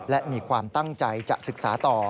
และมีความตั้งใจจะศึกษาต่อ